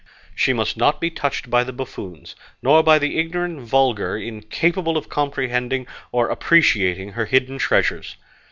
She must not be touched by the buffoons, nor by the ignorant vulgar, incapable of comprehending or appreciating her hidden treasures.